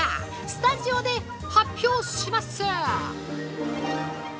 スタジオで発表します。